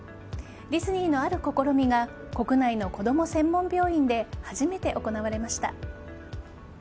ディズニーのある試みが国内の子供専門病院で初めて行われました。